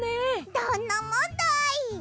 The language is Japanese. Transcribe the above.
どんなもんだい！